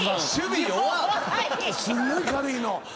すっごい軽いの。